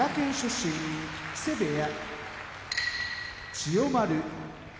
身木瀬部屋千代丸